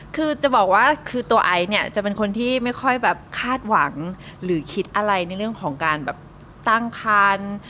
คือจะบอกว่าคือตัวไอซ์เนี่ยจะเป็นคนที่ไม่ค่อยแบบคาดหวังหรือคิดอะไรในเรื่องของการแบบตั้งคัน